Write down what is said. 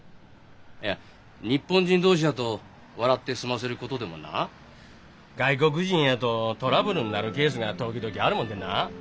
いや日本人同士やと笑って済ませることでもなあ外国人やとトラブルになるケースが時々あるもんでなあ。